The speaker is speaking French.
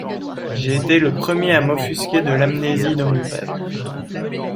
J'ai été le premier à m'offusquer de l'amnésie de mon père.